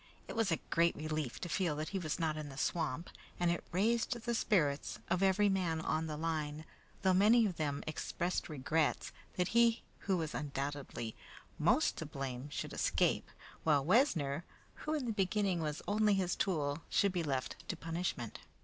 It was a great relief to feel that he was not in the swamp, and it raised the spirits of every man on the line, though many of them expressed regrets that he who was undoubtedly most to blame should escape, while Wessner, who in the beginning was only his tool, should be left to punishment.